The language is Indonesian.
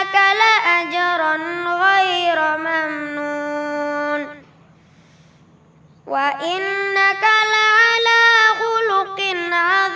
tuh tuh ya kan